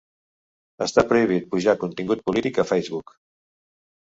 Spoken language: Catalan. Està prohibit pujar contingut polític a Facebook